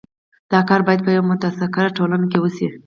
دا کار باید په یوه متکثره ټولنه کې وشي.